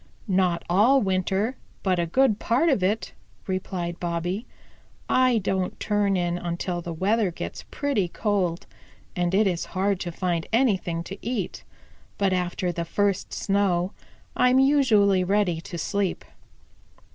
"Not all winter, but a good part of it," replied Bobby. "I don't turn in until the weather gets pretty cold, and it is hard to find anything to eat. But after the first snow I'm usually ready to sleep.